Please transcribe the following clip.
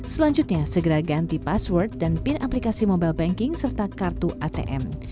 selanjutnya segera ganti password dan pin aplikasi mobile banking serta kartu atm